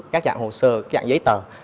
các dạng hồ sơ các dạng giấy tờ